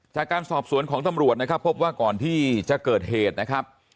จากการสอบสวนของตำรวจนะครับพบว่าก่อนที่จะเกิดเหตุนะครับ